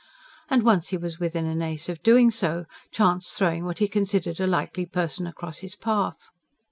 And once he was within an ace of doing so, chance throwing what he considered a likely person across his path.